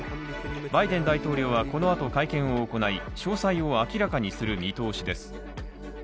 バイデン大統領はこのあと会見を行い詳細を明らかにする見通しです。